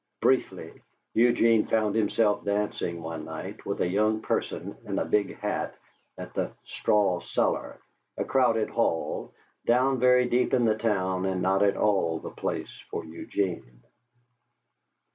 Briefly, Eugene found himself dancing, one night, with a young person in a big hat, at the "Straw Cellar," a crowded hall, down very deep in the town and not at all the place for Eugene.